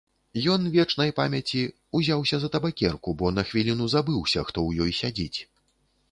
Ён, вечнай памяці, узяўся за табакерку, бо на хвіліну забыўся, хто ў ёй сядзіць.